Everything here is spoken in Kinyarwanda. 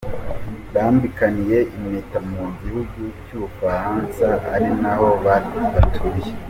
Bambikaniye impeta mu gihugu cy’u Bufaransa ari naho batuye.